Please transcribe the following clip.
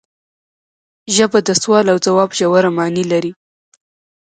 ژبه د سوال او ځواب ژوره معنی لري